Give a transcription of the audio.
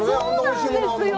そうなんですよ。